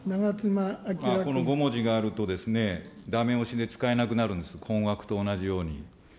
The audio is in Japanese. この５文字があると、だめ押しで使えなくなるんです、困惑と同じように。